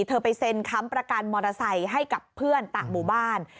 ไปเซ็นค้ำประกันมอเตอร์ไซค์ให้กับเพื่อนต่างหมู่บ้าน